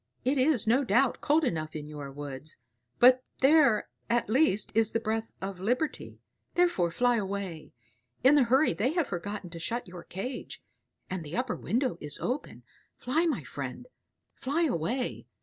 It is, no doubt, cold enough in your woods, but there at least is the breath of liberty; therefore fly away. In the hurry they have forgotten to shut your cage, and the upper window is open. Fly, my friend; fly away.